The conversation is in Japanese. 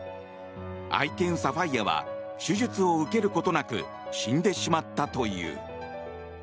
愛犬サファイアは手術を受けることなく死んでしまったという。